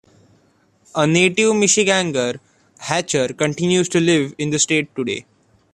A native Michigander, Hatcher continues to live in the state today.